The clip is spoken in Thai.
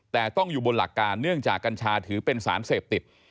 แต่ต้องอยู่บนหลักการเนื่องจากกัญชาถือเป็นสารเสพติด